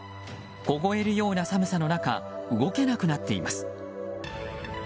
凍えるような寒さの中動けなくなっています。